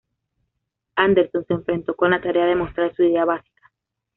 Anderson se enfrentó con la tarea de mostrar su idea básica.